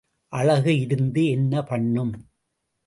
அழகு இருந்து என்ன பண்ணும்?